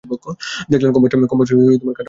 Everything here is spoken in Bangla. দেখলেন, কম্পাসের কাঁটাও ঘুরে গেল।